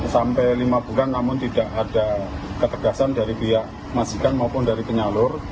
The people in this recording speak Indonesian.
sampai lima bulan namun tidak ada ketegasan dari pihak majikan maupun dari penyalur